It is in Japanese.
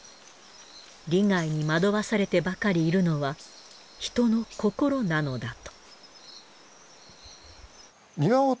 利害に惑わされてばかりいるのは人の心なのだと。